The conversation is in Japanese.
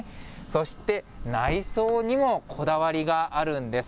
そして内装にもこだわりがあるんです。